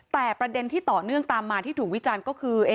แต่ประเด็นที่ต่อเนื่องตามมาที่ถูกวิจารณ์ก็คือ